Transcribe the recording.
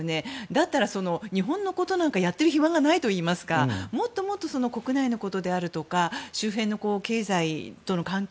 だったら、日本のことなんかやっている暇がないというかもっともっと国内のことであるとか周辺の経済との関係